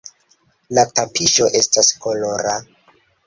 La tapiŝo estas kolora.